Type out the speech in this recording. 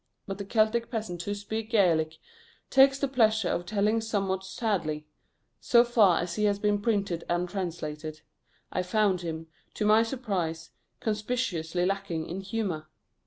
But the Celtic peasant who speaks Gaelic takes the pleasure of telling tales somewhat sadly: so far as he has been printed and translated, I found him, to my surprise, conspicuously lacking in humour.